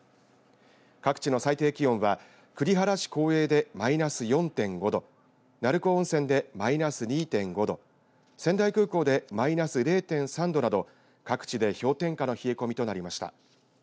各地の最低気温は栗原市耕英でマイナス４．５度鳴子温泉でマイナス２．５度仙台空港でマイナス０．３度など各地で氷点下の冷え込みとなりました。